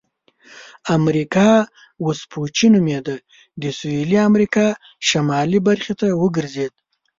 امریکا وسپوچې نومیده د سویلي امریکا شمالي برخو ته وګرځېد.